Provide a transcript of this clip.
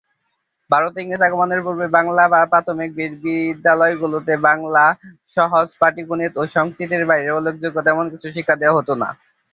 ভারতে ইংরেজ আগমনের পূর্বে বাংলার প্রাথমিক বিদ্যালয়গুলিতে বাংলা, সহজ পাটিগণিত ও সংস্কৃতের বাইরে উল্লেখযোগ্য তেমন কিছু শিক্ষা দেওয়া হতো না।